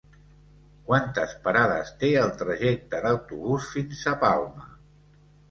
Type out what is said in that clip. Quantes parades té el trajecte en autobús fins a Palma?